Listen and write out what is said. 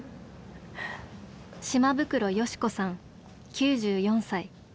島袋淑子さん９４歳。